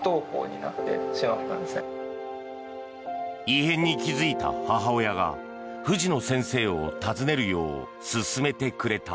異変に気付いた母親が藤野先生を訪ねるよう勧めてくれた。